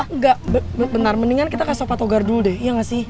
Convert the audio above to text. enggak benar mendingan kita kasih patogar dulu deh iya gak sih